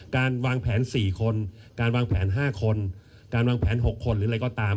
การวางแผน๔คนการวางแผน๕คนการวางแผน๖คนหรืออะไรก็ตาม